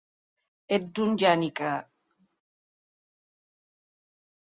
Ets un geni que!